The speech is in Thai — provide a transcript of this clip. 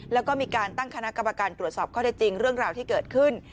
แล้วก็มีการตั้งคณะกรรมการตรวจสอบข้อได้จริงเรื่องราวที่เกิดขึ้น